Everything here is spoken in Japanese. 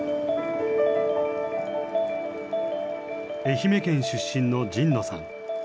愛媛県出身の神野さん。